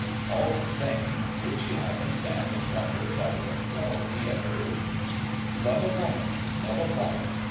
All the same—would she have him stand and wonder if that was a gull he had heard...? Love of women, Love of life....!